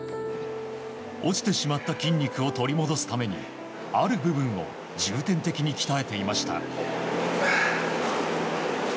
落ちてしまった筋肉を取り戻すためにある部分を重点的に鍛えていました。